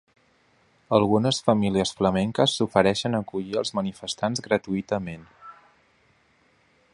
Algunes famílies flamenques s’ofereixen a acollir els manifestants gratuïtament.